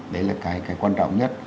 đấy là cái quan trọng nhất